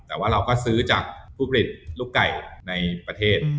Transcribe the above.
แต่ว่าเราก็ซื้อจากผู้ผลิตลูกไก่ในประเทศ